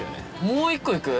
もう一個行く？